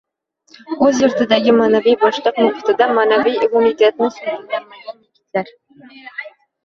O‘z yurtidagi ma’naviy bo‘shliq muhitida ma’naviy immuniteti shakllanmagan yigitlar